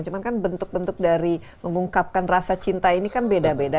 cuma kan bentuk bentuk dari mengungkapkan rasa cinta ini kan beda beda